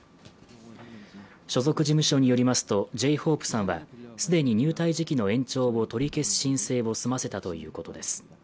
所属事務所によりますとＪ−ＨＯＰＥさんは既に入隊時期の延長を取り消す申請を済ませたということです。